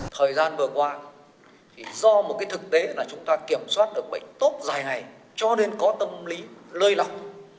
thời gian vừa qua do một thực tế là chúng ta kiểm soát được bệnh tốt dài ngày cho nên có tâm lý lơi lọc